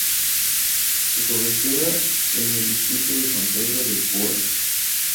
Su cabecera es el distrito de San Pedro de Poás.